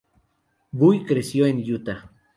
Bury creció en Utah.